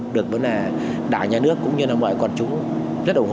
được vấn đề đại nhà nước cũng như là mọi quản chúng rất ủng hộ